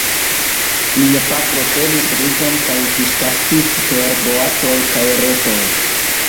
Mia patro semis rizon kaj fiŝkaptis per boatoj kaj retoj.